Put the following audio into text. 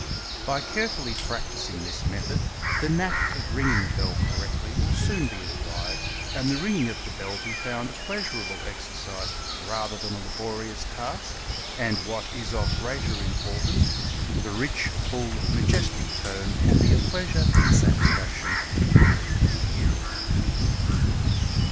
By carefully practising this method the "knack" of ringing a bell correctly will soon be acquired and the ringing of the bell be found a pleasurable exercise rather than a laborious task, and what is of greater importance, the rich, full, majestic tone will be a pleasure and satisfaction to all who hear it.